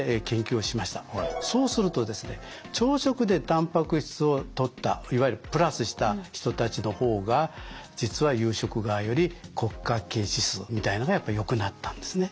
そうするとですね朝食でたんぱく質をとったいわゆるプラスした人たちの方が実は夕食側より骨格筋指数みたいなのがやっぱりよくなったんですね。